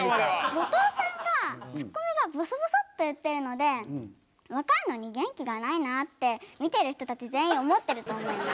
後藤さんがツッコミがぼそぼそって言ってるので若いのに元気がないなって見てる人たち全員思ってると思います。